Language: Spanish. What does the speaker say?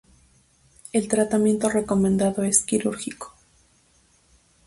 El tratamiento recomendado es quirúrgico.